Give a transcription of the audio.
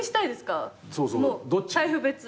財布別？